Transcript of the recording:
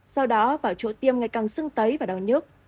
sau đó vào chỗ tiêm ngày càng sưng tấy và đau nước